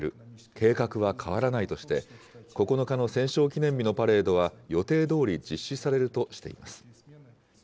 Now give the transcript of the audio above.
計画は変わらないとして、９日の戦勝記念日のパレードは予定どおり実施されるとしています。